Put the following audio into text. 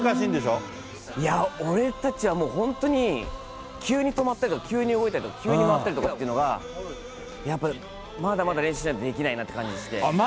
俺たちはもう本当に急に止まったりとか、急に動いたりとか、急に回ったりとかっていうのが、やっぱりまだまだ練習しないとできないなっていう感じがして。